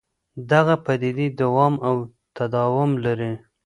دغه پدیدې دوام او تداوم لري.